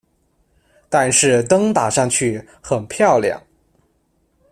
但是灯打上去很漂亮